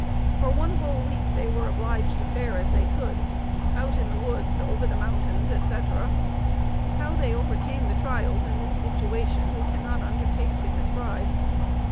For one whole week they were obliged to fare as they could, out in the woods, over the mountains, &c. How they overcame the trials in this situation we cannot undertake to describe.